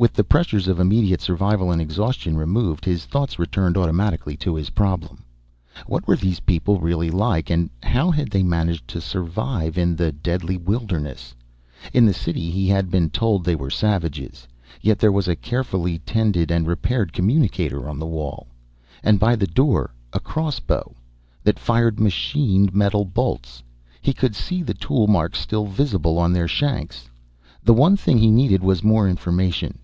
With the pressures of immediate survival and exhaustion removed, his thoughts returned automatically to his problem. What were these people really like and how had they managed to survive in the deadly wilderness? In the city he had been told they were savages. Yet there was a carefully tended and repaired communicator on the wall. And by the door a crossbow that fired machined metal bolts, he could see the tool marks still visible on their shanks. The one thing he needed was more information.